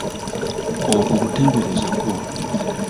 Okwo kuteebereza kwo